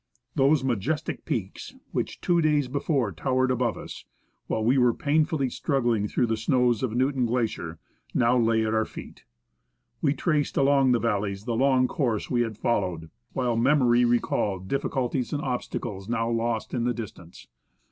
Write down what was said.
^ Those majestic peaks which two days before towered above us, while we were painfully struggling through the snows of Newton Glacier, now lay at our feet. We traced along the valleys the long course we had followed, while memory recalled difficulties and obstacles now lost in the distance.